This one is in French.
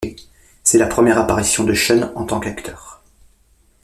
C'est la première apparition de Sean en tant qu'acteur.